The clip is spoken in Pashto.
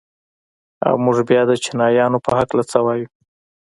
او موږ بيا د چينايانو په هکله څه وايو؟